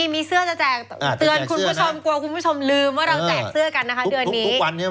มีเซื้อจะแจกเตือนคุณผู้ชมควรลืมว่าเราจะแจกเซื้อกันนะคะ